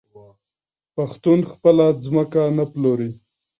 پښتون خپله ځمکه نه پلوري.